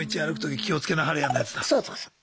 そうそうそう。